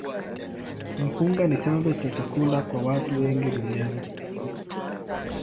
Mpunga ni chanzo cha chakula kwa watu wengi duniani.